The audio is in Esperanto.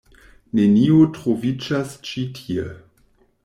Neniu troviĝas ĉi tie.